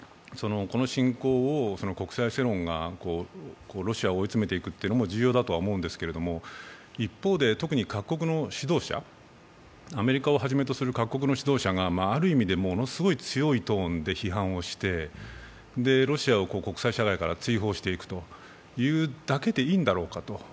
この侵攻を国際世論がロシアを追い詰めていくことも重要だとは思うんですけれども、一方で、特に各国の指導者、アメリカをはじめとする各国の指導者がものすごく強いトーンで批判をしてロシアを国際社会から追放していくだけでいいんだろうかと。